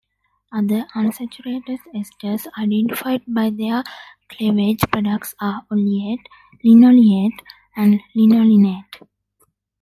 Other unsaturated esters identified by their cleavage products are oleate, linoleate and linolenate.